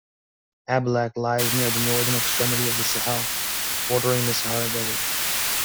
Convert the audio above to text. Abalak lies near the northern extremity of the Sahel, bordering the Sahara desert.